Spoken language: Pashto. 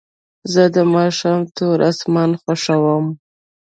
زه د ماښام تور اسمان خوښوم.